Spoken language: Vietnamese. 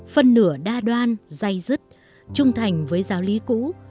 phân nửa đa đoan dây dứt trung thành với giáo lý cũ